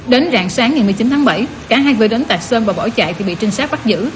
đến rạng sáng ngày một mươi chín tháng bảy cả hai vừa đến tạc sơn và bỏ chạy thì bị trinh sát bắt giữ